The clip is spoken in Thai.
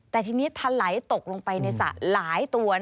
แต่ทีนี้ทะไหลตกลงไปในสระหลายตัว